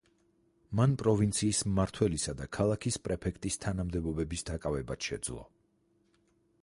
მან პროვინციის მმართველისა და ქალაქის პრეფექტის თანამდებობების დაკავებაც შეძლო.